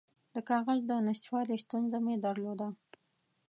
د کاغذ د نشتوالي ستونزه مې درلوده.